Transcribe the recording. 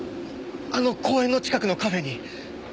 あの公園の近くのカフェに。